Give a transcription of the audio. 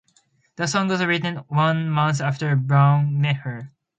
The song was written one month after Brown met her.